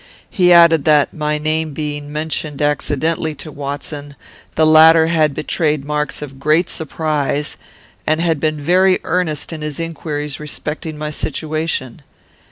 He added that, my name being mentioned accidentally to Watson, the latter had betrayed marks of great surprise, and been very earnest in his inquiries respecting my situation.